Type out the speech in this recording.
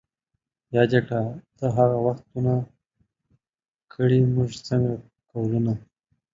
یاد کړه ته هغه وختونه ـ کړي موږ څنګه قولونه